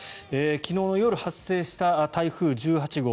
昨日の夜発生した台風１８号。